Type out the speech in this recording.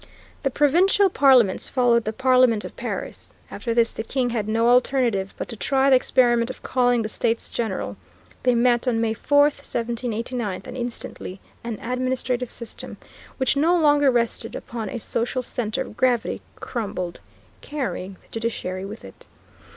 The Provincial Parliaments followed the Parliament of Paris. After this the King had no alternative but to try the experiment of calling the States General. They met on May 4, 1789, and instantly an administrative system, which no longer rested upon a social centre of gravity, crumbled, carrying the judiciary with it.